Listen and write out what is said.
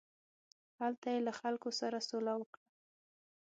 هلته یې له خلکو سره سوله وکړه.